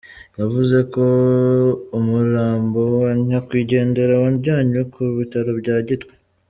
Yavuze ko umurambo wa nyakwigendera wajyanywe ku bitaro bya Gitwe.